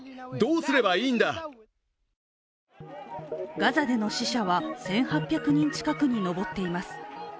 ガザでの死者は１８００人近くに上っています。